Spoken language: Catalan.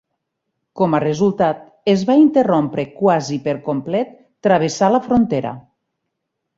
Com a resultat, es va interrompre quasi per complet travessar la frontera.